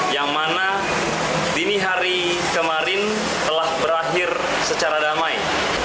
yang mana dini hari kemarin telah berakhir secara damai